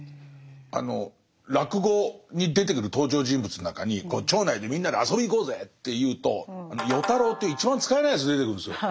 あの落語に出てくる登場人物の中に町内でみんなで遊びに行こうぜっていうと与太郎っていう一番使えないやつ出てくるんですよ。